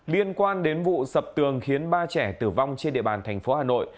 liên quan đến vụ sập tường khiến ba trẻ tử vong trên địa bàn tp hà nội